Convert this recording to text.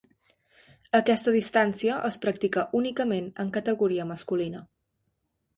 Aquesta distància es practica únicament en categoria masculina.